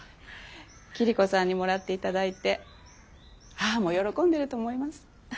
桐子さんにもらっていただいて母も喜んでると思います。